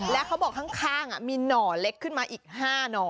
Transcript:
แล้วเขาบอกข้างมีหน่อเล็กขึ้นมาอีก๕หน่อ